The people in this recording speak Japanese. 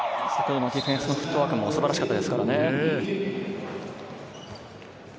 ディフェンスのフットワークも素晴らしかったですよね。